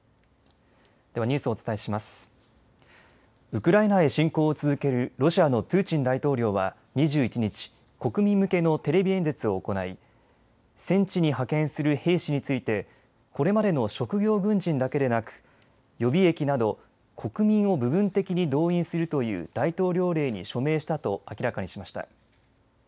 ウクライナへ侵攻を続けるロシアのプーチン大統領は２１日、国民向けのテレビ演説を行い戦地に派遣する兵士についてこれまでの職業軍人だけでなく予備役など国民を部分的に動員するという大統領令に署名したと明らかにしました。